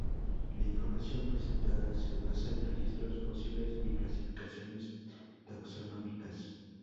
La información presentada se basa en registros fósiles y clasificaciones taxonómicas.